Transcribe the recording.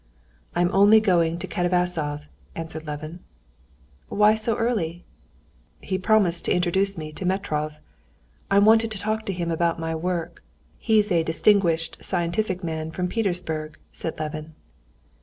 "I am only going to Katavasov," answered Levin. "Why so early?" "He promised to introduce me to Metrov. I wanted to talk to him about my work. He's a distinguished scientific man from Petersburg," said Levin.